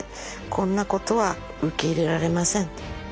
こんなことは受け入れられませんと。